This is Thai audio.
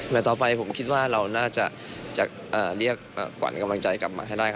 ต่อไปผมคิดว่าเราน่าจะเรียกขวัญกำลังใจกลับมาให้ได้